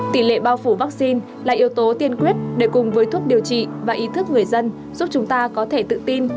tỷ lệ bao phủ vaccine là yếu tố tiên quyết để cùng với thuốc điều trị và ý thức người dân giúp chúng ta có thể tự tin